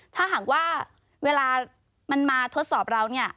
ถ้าหากว่าเวลามันมาทดสอบเราเนี่ย